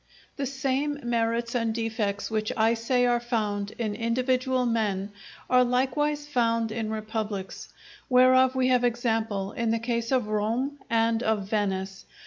The same merits and defects which I say are found in individual men, are likewise found in republics, whereof we have example in the case of Rome and of Venice.